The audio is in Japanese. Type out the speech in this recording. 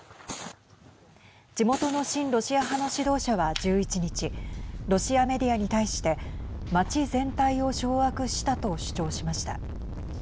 地元の親ロシア派の指導者は１１日ロシアメディアに対して町全体を掌握したと主張しました。